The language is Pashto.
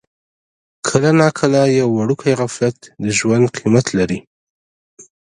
کله ناکله یو وړوکی غفلت د ژوند قیمت لري.